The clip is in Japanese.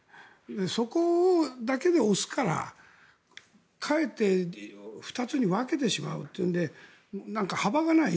そこだけで押すからかえって２つに分けてしまうというんで幅がない。